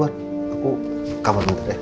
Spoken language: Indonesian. aku ke kamar bentar ya